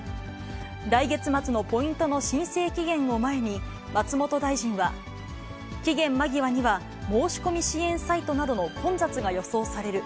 来月末のポイントの申請期限を前に、松本大臣は、期限間際には申し込み支援サイトなどの混雑が予想される。